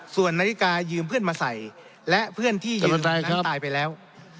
ส่วนนาฬิกายืมเพื่อนมาใส่และเพื่อนที่ยืนตรงนั้นตายไปแล้ว